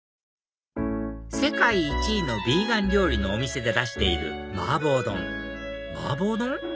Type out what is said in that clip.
世界１位のビーガン料理のお店で出している麻婆丼麻婆丼？